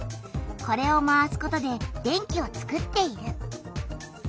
これを回すことで電気をつくっている。